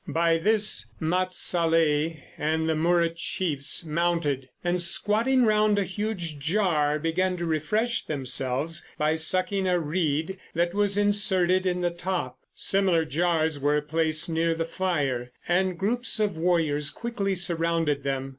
By this Mat Salleh and the Murut chiefs mounted, and squatting round a huge jar began to refresh themselves by sucking a reed that was inserted in the top. Similar jars were placed near the fire, and groups of warriors quickly surrounded them.